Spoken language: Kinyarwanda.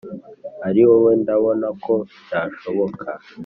Ari wowe ndabona ko byashoboka!"